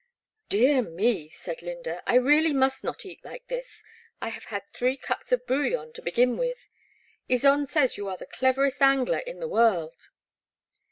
*' Dear me," said Lynda, I really must not eat like this, I have had three cups of bouillon to begin with. Ysonde says you are the cleverest angler in the world.